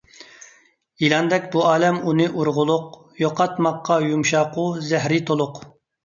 يىلاندەك بۇ ئالەم ئۇنى ئۇرغۇلۇق، يوقاتماققا يۇمشاقۇ، زەھىرى تولۇق.